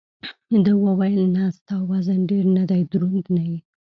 ده وویل: نه، ستا وزن ډېر نه دی، دروند نه یې.